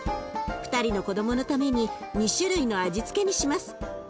２人の子どものために２種類の味付けにします。